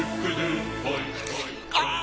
ああ！